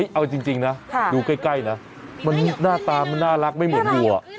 เอาจริงนะดูใกล้นะมันหน้าตามันน่ารักไม่เหมือนวัว